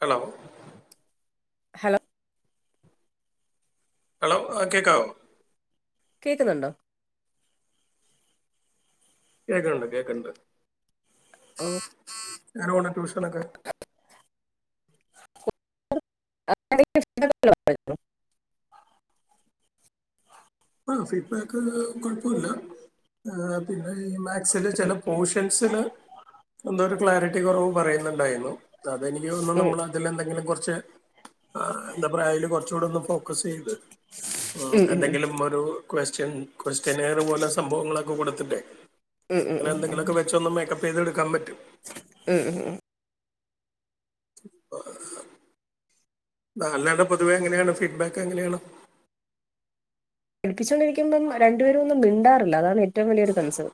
Hello hello hello ആ കേക്കാവോ കേക്കുന്നൊണ്ടോ കേക്കണ് ണ്ട് കേക്ക്‌ണ്ട് ഓ എങ്ങനെ പോണ് ട്യൂഷൻ നൊക്കെ [unintelligible] [inaudible] ആ ഫീഡ്ബാക്ക് കൊഴപ്പം ഇല്ല പിന്നെ ഈ മാക്സില് ചെല പോഷൻസില്- എന്തോ ഒരു ക്ലാരിറ്റി കൊറവ് പറയുന്ന്ണ്ടായിന്നു അതെനിക്ക് തോന്നുന്നു നമ്മൾ അതിൽ എന്തെങ്കിലും കൊറ- ച്ച് എന്താ പറയ അയില് കൊറച്ച് കൂടെ ഒന്ന് ഫോക്കാസ് ചെയ്ത് എന്തെങ്കിലും ഒരു ക്വസ്റ്റ്യൻ ക്വസ്റ്റ്യൻഎയർ പോലെ സംഭവങ്ങളൊക്കെ കൊടുത്തിട്ടെ ങ്ങനെ എന്തെങ്കിലൊക്കെ വെച്ച് ഒന്ന് മേക്കപ്പ് ചെയ്തെടുക്കാൻ പറ്റും ഉം ഉം ഓഹ് നാല്നാടെ പൊതുവെ എങ്ങനെയാണ് ഫീഡ്ബാക്ക് എങ്ങനെയാണ് ഠിച്ചോണ്ട് ഇരിക്ക്‌പം രണ്ടുപേരും ഒന്നും മിണ്ടാറില്ല അതാണ് ഏറ്റവും വലിയൊരു കൺസേൺ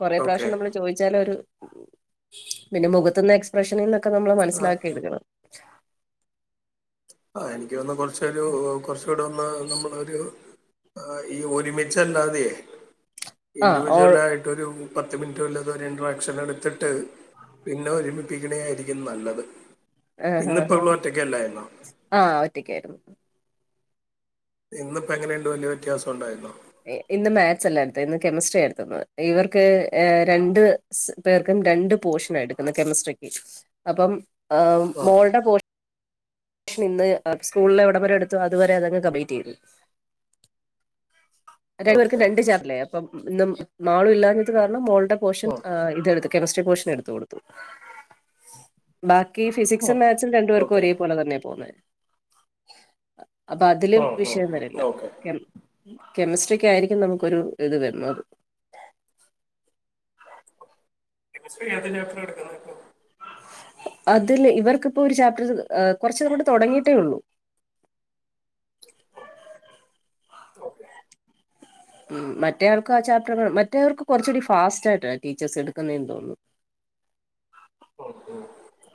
കൊറെ പ്രാവ്ശ്യം നമ്മള് ഓക്കെ ചോദിച്ചാലെ ഒര് പിന്നെ മുഖത്ത്ന്ന് എക്സ്പ്രഷനിന്നൊക്കെ നമ്മള് മനസ്സിലാക്കി എടുക്കണം ആ എനിക്ക് വന്ന് കൊറച്ചൊരു കൊറച്ചൂടെ ന്ന് നമ്മളൊരു ആ ഈ ഒരുമിച്ചല്ലാതെ ആ ഓൾ ഇൻഡിവിജ്വലായിട്ടൊരു പത്ത് മിനിറ്റ് വല്ലത് രണ്ട് വാക്ക്‌സിൻ എടുത്തിട്ട് പിന്നെ ഒരുമിപ്പിക്കണതായിരിക്കും നല്ലത് ഇന്ന്പ്പം നിങ്ങള് ഒറ്റക്കല്ലായിരുന്നോ ആഹ ഒറ്റക്കായിരുന്നു ഇന്ന്പ്പം എങ്ങനെയുണ്ട് വല്ല്യ വ്യത്യാസം ഉണ്ടായിരുന്നോ ഇ ഇന്ന് മാക്ക്‌സല്ല എടുത്തെ ഇന്ന് കെമിസ്ട്രിയാ എടുത്തിരുന്നത് ഇവർക്ക് ഏ രണ്ട് സ് പേർക്കും രണ്ട് പോഷനാണ് എടുക്കുന്നത് കെമസ്ട്രിക്ക്‌ അപ്പം ആ ഉം, മോൾ ടെ പോഷ ഇന്ന് സ്കൂള്ലെ എവടെ വരെ എടുത്തു അതുവരെ അതങ്ങ് കമ്പ്ലീറ്റ് ചെയ്ത് രണ്ടു പേർക്ക്‌ ഓക്കെ രണ്ട് ചെയറല്ലേ അപ്പം ഇന്നും മാളു ഇല്ലാഞ്ഞിട്ട് കാരണം മോൾ ത്തെ പോഷൻ ഉം, ആ ഇത്എടുത്തു കെമിസ്ട്രി പോഷൻ എടുത്ത് കൊടുത്തു ബാ ഈ ഫിസിക്സും ഉം, മാക്ക്‌സും രണ്ടു പേർക്കും ഓക്കെ ഒരേ പോലെ തന്നെ പോന്നെ അപ്പ അതില് ഉം, ഉം, വിഷയം വരില്ല ഓക്കെ കെമിസ്ട്രിക്കായിരിക്കും നമുക്കൊരു ഇത് വന്നത് കെമിസ്ട്രി ഏത് ചാപ്റ്ററാ എടുക്കുന്നെ ഇപ്പോ അതില് ഇവർക്ക്‌പ്പോ ഒരു ചാപ്റ്റർ കൊറച്ചങ്ങ് തൊടങ്ങിട്ടേള്ളൂ [unintelligible] ഒ ഓക്കെ ഉം മറ്റേ ആൾക്കു ആ ചാപ്റ്റർ മറ്റേർക്ക് കൊറച്ചൂടി ഫാസ്റ്റായിട്ടാണ് ടീച്ചേഴ്സ് എടുക്കുന്നെ തോന്നുന്നു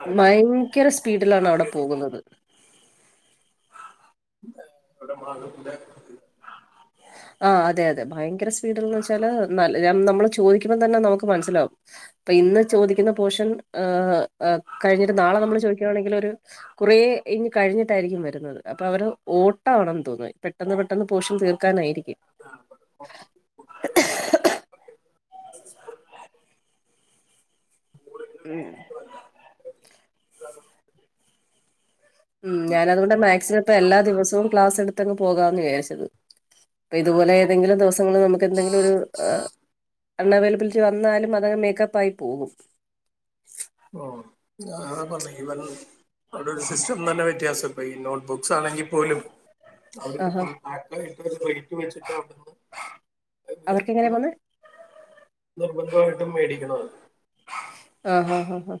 ആ, ഇപ്പോ ഭയങ്കര സ്പീഡിലാണ് അവടെ പോകുന്നത് അവടെ മാഗത്തിന്റെ ആ അതെ അതെ ഭയങ്കര സ്പീഡന്ന് വെച്ചാല് നല്ല നമ്മള് ചോദിക്കുമ്പം തന്നെ നമക്ക് മനസ്സിലാവും ഇന്ന് ചോദിക്കുന്ന പോഷൻ ആ അ കഴിഞ്ഞിട്ട് നാളെ നമ്മള് ചോദിക്കാണങ്കില് ഒരു കുറേ ഇഞ് കഴിഞ്ഞിട്ടായിരിക്കും വരുന്നത് അപ്പൊ അവര് ഓട്ടാണെന്ന് തോന്നുന്നു പെട്ടെന്ന് പെട്ടെന്ന് പോഷം തീർ ക്കാനായിരിക്കും [inaudible] ഉം ആ [unintelligible] ഉം ഞാനതോണ്ടാ മാക്സിമം ഇപ്പ എല്ലാ ദിവസവും ക്ലാസ് എട് ത്ത്ന്ന് പോകാന്ന് വിചാരിച്ചത് ഇതു പോലെ ഏതെങ്കിലും ദിവസം അന്ന് നമ്ക്ക് എന്തെങ്കിലും ഒരു ആ അൺഎബലബിലിറ്റി വന്നാലും അതെ മേക്കപ്പായി പോകും ഉം അവടെ ഒരു സിസ്റ്റം തന്നെ വ്യത്യാസപോയി ഈ നോട്ട്ബുക്സ് ആണെങ്കിൽ പോലും അവര് ആഹാ ഫുൾ പാക്ക് ആയിട്ട് റയ്റ്റ് വെച്ചിട്ടാ അവടന്ന് അവർക്ക്‌ങ്ങനെ പോന്നേ നിർബന്ധമായിട്ടും മേടിക്കണത് ആ ആാ ആാ ഹാ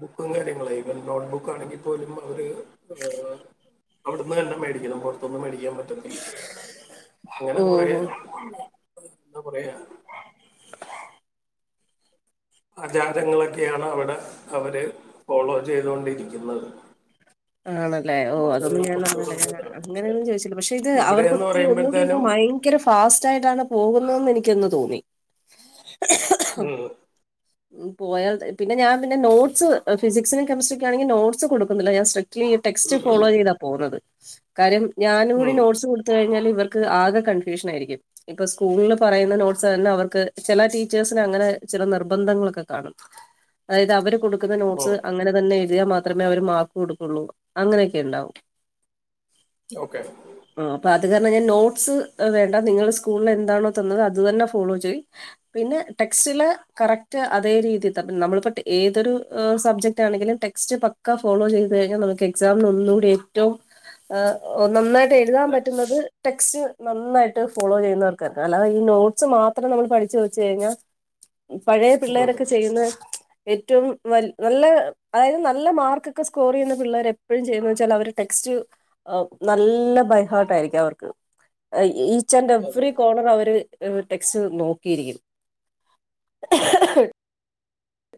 ബുക്കും കാര്യങ്ങളും ഇവ നോട്ട് ബുക്കാണെങ്കിൽ പോലും അവര് അവിടന്നന്നെ മേടിക്കണം പൊർത്ത്ന്ന് മേടി ക്ക്യാൻ പറ്റത്തില്ല ഇങ്ങനെ കൊറെ ഓഹ് ഓഹ് എന്താ പറയാ ആചാതങ്ങളൊക്കെയാണ് അവടെ അവര് ഫോളോ ചെയ്തോണ്ടിരിക്കുന്നത് ആണല്ലേ ഓ അതൊന്നും ഞൻ അങ്ങനെ ഒന്ന് ഇതാണ് പക്ഷെ അങ്ങനെയൊന്നും ചോയിച്ചില്ല പക്ഷെ ഇത് ഇവിടെ എന്ന് അവർക്കൊത്തിരി ഒന്നുകൂടി ഒന്ന് പറയുമ്പോഴത്തേനും മാ ഭയങ്കര ഫാസ്റ്റ് ആയിട്ടാണ് പോവുന്നു എനി ക്കിന്ന് തോന്നി ഉം, പോയാൽ ത പിന്നെ ഞാൻ പിന്നെ നോട്സ് ഫിസിക്സിനും കെമി്ട്രിക്കാണങ്കിൽ നോട്സ് കൊടുക്കുന്നില്ല ഞാൻ സ്ട്രിക് ക്ലീൻ ടെക്സ്റ്റ് ഫോളോ ചെയ്താ പോവുന്നത് കാര്യം ഞാനും കൂടി ഉം, നോട്സ് കൊട്ത്ത് കയിഞ്ഞാല് അവർക്ക് ആകെ കൺഫ്യൂഷൻ ആയിരിക്കും ഇപ്പ സ്കൂളിൽ പറയുന്ന നോട്ട്സ് തന്നെ അവർക്ക് ചെല ടീച്ചേഴ്സിന് അങ്ങനെ ചെല നിർബന്ധങ്ങളൊക്കെ കാണും അതായത് അവ കൊടു ക്കുന്ന ഉം. നോട്ട്സ് അങ്ങനെ തന്നെ എഴുതിയാൽ മാത്രമേ അവര് മാർക്ക് കൊടുക്കൊള്ളൂ അങ്ങനെയൊക്കെ ഇണ്ടോ ഓക്കെ അത് കാരണം ഞാൻ നോട്ട്സ് എ വേണ്ട നിങ്ങൾ സ്കൂളില് എന്താണോ തന്നത് അത് തന്നെ ഫോളോ ചെയ്യ് പിന്നെ ടെ ടെക്സ്റ്റില് കറക്റ്റ് അതേ രീതിയിൽ ത നമ്മളെ പറ്റി ഏതൊരു എ് സബ്ജക്റ്റ് ആണെങ്കിലും ടെക്സ്റ്റ് പ ഒക്ക ഫോളോ ചെയ് അത് കഴിഞ്ഞാ നമുക്ക് എക്സാം ഒന്നുകൂടി ഏറ്റവും അ ഒ നന്നായിട്ട് എഴുതാൻ പറ്റുന്നത് ടെക്സ്റ്റ് നന്നായിട്ട് ഫോളോ ചെയ്യുന്നവർക്കാണ് അല്ലാതെ ഈ നോട്ട്സ് മാത്രം നമ്മൾ പഠിച്ച് വെച്ച് കഴിഞ്ഞാ [unintelligible] പഴയ ഉം, പിള്ളേരൊക്കെ ചെയ്യുന്ന ഏറ്റവും വൽ നല്ല അതായത് നല്ല മാർക്കെക്ക സ് സ്കോർ ചെയ്യുന്ന പിള്ളേര് എപ്പഴും ചെ യ്യുന്നതു വെച്ചാൽ അവര് ടെക്സ്റ്റ് അ നല്ല ബൈഹാർട്ട് ആയിരിക്കും അവർക്ക് അവർക്ക് അ ഈച്ച് ആൻഡ് അതെ. എവ്രറി കോർണർ അവര് എ് ടെക്സ്റ്റ് നോക്കിയിരിക്കും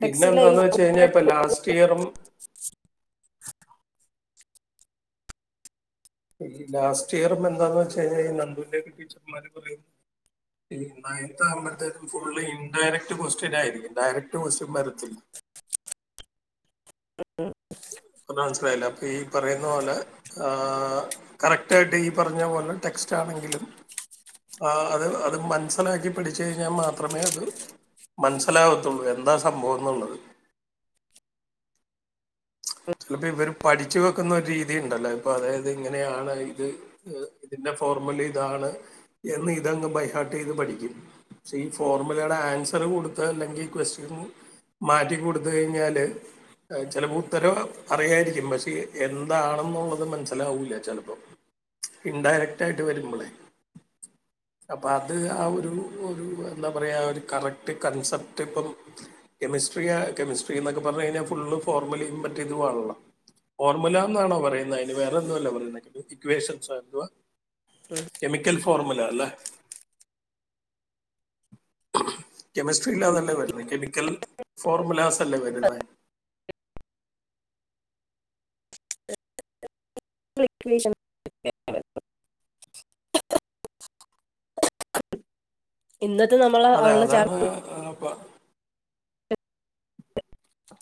പിന്നെ ടെക്സ്റ്റിലെ ഈ എന്താന്ന് വെച്ച് കഴിഞ്ഞാ ഇപ്പ ലാസ്റ്റ് ഇയറും ഈ ലാസ്റ്റ് ഇയർ എന്താന്ന് വെച്ച് കഴി കഴിഞ്ഞാൽ ഈ നന്ദൂന്റെ ടീച്ചർമാര് പറയുന്നു ഈ നയൻത്ത് ആവുമ്പോഴത്തേക്കും ഫുള്ളി ഇൻഡയറക്ട് ക്വസ്റ്റിൻ ആയിരിക്കും ഡയറക്ട് ക്വസ്റ്റിൻ വരത്തില്ല ഉം ഉം എന്താ മനസ്സിലായില്ല ഈ പറയുന്ന പോലെ ആ കറക്റ്റായിട്ട് ഈ പറഞ്ഞ പോലെ ടെക് ക്‌സ്‌റ്റാണെങ്കിലും ആ അത് അത് മനസിലാക്കി പഠിച്ച് കഴിഞ്ഞാൽ മാത്രമേ അത് മനസ്സിലാവത്തൊള്ളു എന്താ സംഭവം എന്നുള്ളത് [unintelligible] ചെലപ്പ ഇവരും പഠിച്ചു വെക്കുന്ന ഒരു രീതി ഇണ്ടല്ല ഇപ്പ അതായത് ഇങ്ങനെയാണ് ഇത് എ് ഇതിന്റ ഫോർമുല ഇതാണ് എന്ന് ഇതങ് ബൈഹാർട്ടെയ്ത് പഠിക്കും പക്ഷെ ഈ ഫോർമലേട ആൻസർ കുടുത്ത അല്ലെങ്കിൽ ക്വസ്റ്റിനും മാറ്റി കുടുത്ത്കഴിഞ്ഞാല് എ ചെലപ്പോ ഉത്തരോണ അറിയായിരിക്കും പക്ഷെ എ എന്താണെന്നുള്ളത് മനസ്സിലാവൂല്ല ചെലപ്പോ ഇൻഡയറക്റ്റായിട്ട് വരുമ്പൊളെ ഉ അപ്പ അത് ആ ഒരു ഒരു എന്താ പറയാ ഒരു കറക്ട് കൺസെപ്ട് ഇപ്പം കെമി കമിസ്ട്രിയാ കെമിസ്ട്രി എന്നൊക്കെ പറഞ്ഞു കഴിഞ്ഞാൽ ഫുള്ളും ഫോർമലിയും മറ്റേതുവാണ്ല്ല ഫോർമുല എന്നാണോ പറയുന്നേ അയ്ന് വേറെ എന്തോല്ലേ പറയുന്നേ ഇക്വേഷൻസ് എന്തുവാ കെമിക്കൽ ഫോർമുല അല്ലേ [unintelligible] കെമിസ്ട്രിൽ അതല്ലേ വരുന്നേ കെമിക്കൽ ഫോർമുലാസ് അല്ലേ വരുന്നത് [unintelligible] ഇ ഇ ഇക്വേഷൻ ഇന്നത്തെ നമ്മള അതെ അവൾട അതാണ് ചാന [unintelligible] എ എ്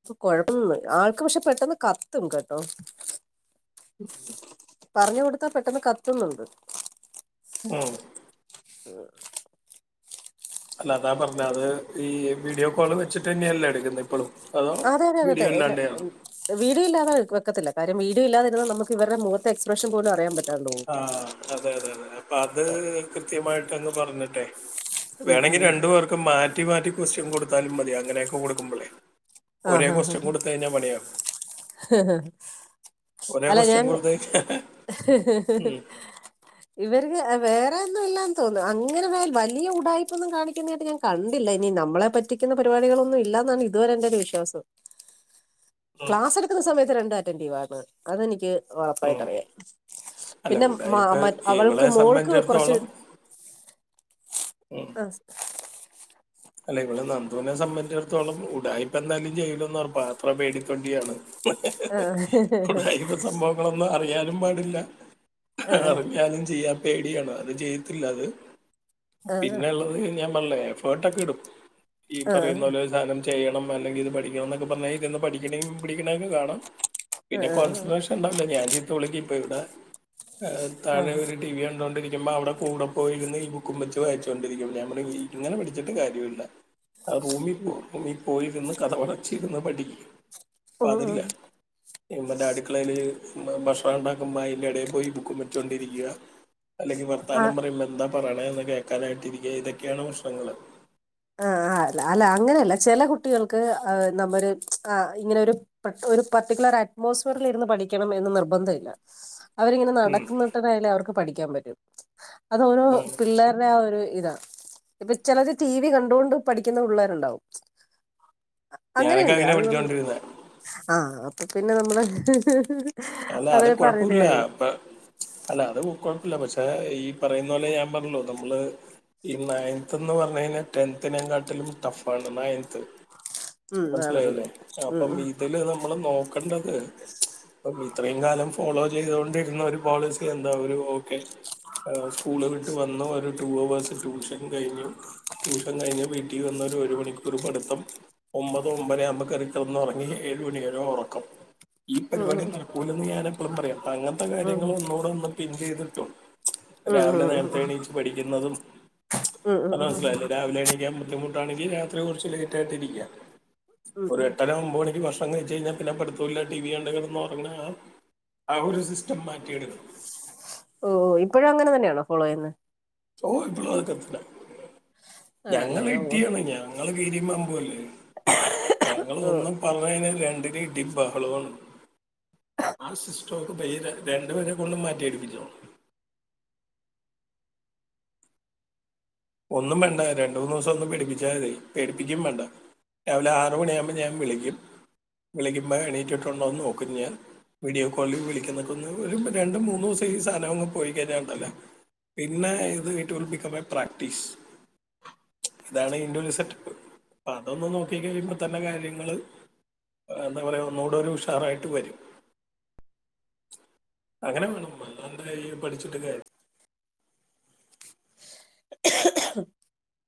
ഇപ്പ കൊഴപ്പൊന്നുല്ല ആൾക്ക് പക്ഷെ പെട്ടന്ന് കത്തും കേട്ടോ ഉം പറഞ്ഞു കൊടുത്താ പെട്ടെന്ന് കത്തുന്നുണ്ട് ഉം [unintelligible] അല്ല അതാ പറഞ്ഞ അത് ഈ വീഡിയോ കോള് വെച്ചിട്ട്ന്നെയല്ലേ എടുക്കുന്നെ എപ്പളും ആ അതെ അതെതെ അതെ ഇല്ല വീ വീഡിയോ ഇല്ലാതെ ക ഒക്കത്തില് കാര്യം വീഡോ ഇല്ലാതെ ഇതിനെ നമ്മക്ക് ഇവരുടെ മൊഖത്തെ എസ്പ്രഷൻ പോലും അറിയാൻ പറ്റ ആ അതെ അതെ അതെ അപ്പ അത് കൃത്യമായിട്ട് അങ്ങ് പറഞ്ഞിട്ടെ ഉം ഉം വേണങ്കി ഉം രണ്ടു പേർക്കും മാറ്റി മാറ്റി കൊസ്റ്റിൻ കൊടുത്താലും മതി അങ്ങനേക്ക കൊടുക്കുമ്പളെ ആ ഹാ ഹാ ഹ് ഹ് ഒരേ അല്ല ക്വസ്റ്റ്യൻ ഞാൻ കൊടുത്തു കഴിഞ്ഞാൽ ഹ് ഹ് ഹ്ഹ് ഉം, ഇവർക്ക് എ വേറെ ഒന്നു ഇല്ല തോന്നുന്നു അങ്ങനെ വലിയ ഉടായ്പൊന്നും കാണിക്കുന്നേയിട്ട് ഞാൻ കണ്ടില്ല ഇനി നമ്മളെ പറ്റിക്കുന്ന പരിപാടികളൊന്നും ഇല്ല ന്നാണ് ഇതുവരെ എന്റെ ഒരു വിശ്വാസം ഉം, ക്ലാസ് എടുക്കുന്ന സമയത്ത് രണ്ട് അറ്റൻഡീവ് ആണ് അതെനിക്ക് ഉം. ഉറപ്പായിട്ടറിയാം അല്ല പിന്നെ മ ഉടായ്പ മറ്റ് അവൾക്ക് ഇവളെ മോൾക്ക് കുറച്ച് സംബന്ധിച്ചിടത്തോളം ഉം, അ അല്ല ഇവിള് നന്ദൂവിനെ സംബന്ധിച്ചിടത്തോളം ഉടായിപ്പ് എന്തായാലും ചെയ്യൂല്ലാന്നുറപ്പാ അത്ര പേടിതൊണ്ടിയാണ് ഹ ഹ് ആ ഹ് ഉടായിപ്പ് സംഭവങ്ങളൊന്നും അറിയാൻ യാനും പാടില്ല ആ അറിഞ്ഞാലും ചെയ്യാൻ പേടിയാണ് അത് ചെയ്യത്തില്ല അത് ആ ആ പിന്നെള്ളത് ഞാൻ പറഞ്ളേ എഫേർട്ട് ഒക്കെ എടുക്ക്‌ ഈ ആ ആ ആ പറയുന്ന പോലെ ഒരു സാനം ചെയ്യണം അല്ലെങ്കിൽ ഇത് പഠിക്കണം എന്നൊക്കെ പറഞ്ഞാൽ ഇത പഠിക്കണെങ്കിൽ ഇമ്മിണി പിന്നങ്ങ് കാണാം ആ പിന്നെ കോൺസെൻട്രേഷൻ ഇണ്ടാവില്ല ഞാൻ ചീത്ത വിളിക്കും ഇപ്പോ ഇവിട ഏ ആ താഴെ അവര് ടി വി കണ്ടോണ്ടിരിക്ക്‌ ക്കുമ്പം അവിടെ കൂടെ പോയിരുന്ന് ഈ ബുക്കും വെച്ച് വായിച്ചൊണ്ടിരിക്കും ഞാൻ പറയും ഇങ്ങനെ പിടിച്ചിട്ട് കാര്യോല്ല ആ റൂമീ പോ റൂമിൽ പോയിരുന്ന് കഥവടച്ച് ഇരുന്ന് പഠിക്ക്‌ ആ പ്പൊ ആ അതില്ല മ് മറ്റേ അടുക്കളയില് ഭക്ഷണം ഇണ്ടാക്കുമ്പോ അയിൻ്റെ ഇടയിൽ പോയി ബുക്കും വെച്ചുകൊണ്ടിരിക്കുക അല്ലെങ്കിൽ ആ, വർത്താനം പറയുമ്പോ എന്താ പറയണന്ന് കേൾക്കാനായിട്ടിരിക്കയ ഇതൊക്കെയാണ് പ്രശ്നങ്ങള് ആഹ് ആ അല്ല അല്ല അങ്ങനെയല്ല ചില കുട്ടികൾക്ക് അ നമ്മൊരു മ്ച്ച് ആ ഇങ്ങനെ ഒരു പർട്ട് ഒരു പർട്ടിക്കുലാർ അറ്റ്മോസ്ഫിയറിൽ ഇരുന്ന് പഠിക്കണം എന്ന് നിർബന്ധ ഇല്ല അവരിങ്ങനെ നടക്കുന്നട്ടരായാലും അവർക്ക് പഠിക്കാൻ പറ്റും മ്ച്ച് അതോരോ പിള്ളാരുടെ ആ ഒരു ഇതാ ഇപ്പൊ ചിലത് ടി വി കണ്ടുകൊണ്ട് പഠിക്കുന്ന പിള്ളാരുണ്ടാവും ഞാനൊക്കെ അങ്ങനെയുണ്ട് അങ്ങനെ അത് നമ്മള് പഠിച്ചുകൊണ്ടിരുന്നത് ആ അപ്പൊ പിന്നെ നമ്മള് ഹ് ഹ് ഹ് ഹ് അല്ല അത് കൊഴപ്പൂല്ലാ അപ്പ മ്ച്ച് അല്ല അത് കൊഴ് അല്ല പക്ഷെ ഈ പറയുന്ന പോലെ ഞാൻ പറഞ്ഞല്ലോ നമ്മള് ഈ നയൻത് എന്ന് പറഞ്ഞ് കഴിഞ്ഞാൽ ടെൻതിനെ കാട്ടിലും ടഫ് ആണ് നയൻത് ഉം ആണാണ് മനസിലായില്ലേ ഉം അപ്പം ഇതില് നമ്മള് നോക്കണ്ടത് മ്ച്ച് ഇത്രയും കാലം ഫോളോ ചെയ് ചെയ്തോണ്ടിരുന്ന ഒരു പോളിസി എന്താ ഒരു ഓക്കെ ഏ സ്കൂള് വിട്ട് വന്നു ഒരു ടു അവേഴ്സ് ട്യൂഷൻ കഴിഞ്ഞു ട്യൂഷൻ കഴിഞ്ഞ് വീട്ടിൽ വന്ന് ഒരു മണിക്കൂർ പഠിത്തം ഒമ്പതോ ഒമ്പതരയോ ആകുമ്പോ കേറി കിടന്നു ഒറങ്ങി ഏഴുമണിവരെ ഒറക്കം ഈ പരിപാടി ഉം നടക്കൂലെന്ന് ഞാൻ എപ്പോളും പറയാം അങ്ങനത്തെ ഉം കാര്യങ്ങൾ ഒന്നൂടെ ഒന്ന് പിൻ ചെയ്തിട്ടും മ്ച്ച് ഉം ഉം രാവിലെ നേരത്തെ എണീച്ച് പഠിക്കുന്നതും മ്ച്ച് ഉം ഉം ഉം പറഞ്ഞ ഉം ഉം മനസ്സിലായില്ലേ രാവിലെ എണീക്കാൻ ബുദ്ധിമുട്ട് ട്ടാണെങ്കിൽ രാത്രി കുറച്ചു ലേറ്റ് ആയിട്ട് ഇരിക്കുക ഉം ഉം ഒരു ഉം. എട്ടര ഒൻമ്പത് മണിക്ക് ഭക്ഷണം ണം കഴിച്ചു കഴിഞ്ഞാൽ പിന്നെ പടുത്തല്ല ടി വി കണ്ടുകിടുന്ന് ഉറങ്ങാം ആ ഒരും സിസ് ഓ ഇപ്പോഴും അങ്ങനെ തന്നെയണോ ഫോളോ ചെയ്യുന്ന ഓ ഇപ്പോളും അതൊക്കെ തന്നെ ആണല്ലേ ഞങ്ങള് ഓ ഇട്ടിയാണ് ഞങ്ങള് കീരിയും പാമ്പുമല്ലേ ഞങ്ങള് ഓ ഒന്നും പറഞ്ഞ് കഴിഞ്ഞാൽ രണ്ടിന് ഇടീംബഹളോണ് ആ സിസ് സ്റ്റോക്ക് [unintelligible] രണ്ടുപരെ കൊണ്ടും മാറ്റിടിപ്പിച്ചോ ഒന്നും വേണ്ട രണ്ട് മൂന്ന് ദിവസം ഒന്നും പേടിപ്പിച്ചാ മതി പേടിപ്പിക്കും വേണ്ട രാവിലെ ആറ് മണിയാകുമ്പോൾ ഞാൻ വിളിക്കും വിളിക്കുമ്പോൾ എണീറ്റിട്ടുണ്ടോ ന്ന് നോക്കും ഞാൻ വീഡിയോ കോളിൽ വിളിക്കുന്നക്കൊന്ന് ഒരു രണ്ടും മൂന്നു ദിവസം ഈ സാധനങ് പോയി കഴഞ്ഞാണ്ടല്ലോ പിന്നെ ഇത് it will become a practice ഇതാണ് ഇതിന്റെ ഒരു സെറ്റപ്പ് പ്പതൊന്ന് നോക്കി കഴിയുമ്പോ തന്നെ കാര്യങ്ങള്- എന്താ പറയുക ഒന്നൂടെ ഒന്ന് ഉഷാറായിട്ട് വരും അങ്ങനെ വേണേണ്ടന്ത [unintelligible] പഠിച്ചിട്ട് കാര്യ ഒഹ്ഹ ഒഹ്ഹ്